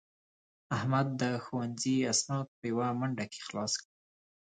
احمد د ښوونځي اسناد په یوه منډه کې خلاص کړل.